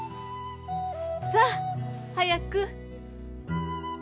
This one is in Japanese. さあ早く。